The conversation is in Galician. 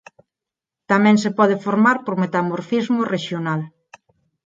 Tamén se pode formar por metamorfismo rexional.